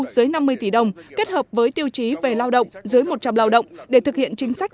dưới năm mươi tỷ đồng kết hợp với tiêu chí về lao động dưới một trăm linh lao động để thực hiện chính sách